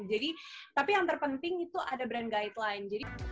jadi tapi yang terpenting itu ada brand guideline